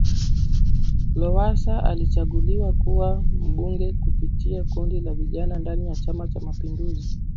Lowassa alichaguliwa kuwa Mbunge kupitia kundi la Vijana ndani ya chama Cha mapinduzi